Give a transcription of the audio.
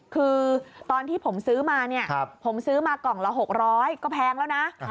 คือตอนที่ผมซื้อมาเนี่ยผมซื้อมากล่องละ๖๐๐ก็แพงแล้วนะ